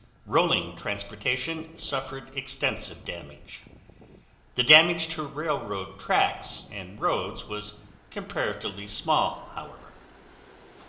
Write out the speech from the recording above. Rolling transportation suffered extensive damage. The damage to railroad tracks, and roads was comparatively small, however.